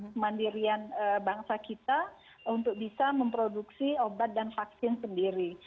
kemandirian bangsa kita untuk bisa memproduksi obat dan vaksin sendiri